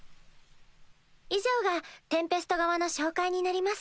以上がテンペスト側の紹介になります。